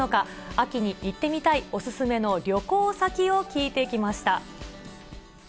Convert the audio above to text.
秋に行ってみたいお勧めの旅行先を聞いてきました。